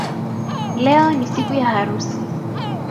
Leo ni siku ya harusi